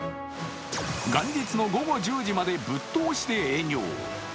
元日の午後１０時までぶっ通しで営業。